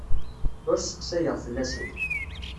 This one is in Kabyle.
Ur sseqsayeɣ fell-asen.